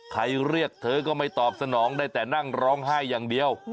เรียกเธอก็ไม่ตอบสนองได้แต่นั่งร้องไห้อย่างเดียว